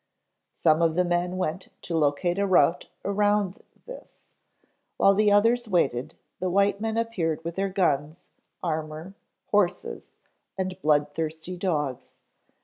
Some of the men went to locate a route around this. While the others waited, the white men appeared with their guns, armor, horses and blood thirsty dogs.